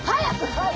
はい！